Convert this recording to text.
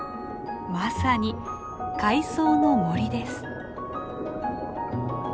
まさに海藻の森です。